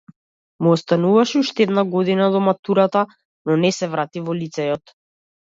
Му остануваше уште една година до матурата, но не се врати во лицејот.